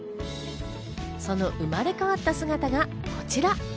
その生まれ変わった姿が、こちら。